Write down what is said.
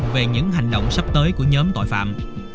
về những hành động sắp tới của nhóm tội phạm